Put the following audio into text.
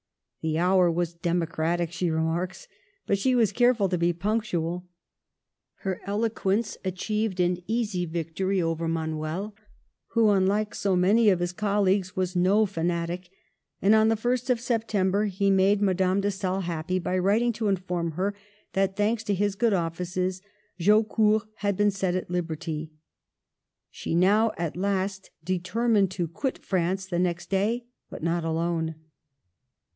" The hour was democratic," she remarks, but she was careful to be punctual. Her eloquence achieved an easy victory over Manuel, who, un like so many of his colleagues, was no fanatic ; and on the 1st of September he made Madame de Stael happy by writing to inform her that, thanks to his good offices, Jaucourt had been set at liberty. She now, at last, determined to quit France the next day, but not alone.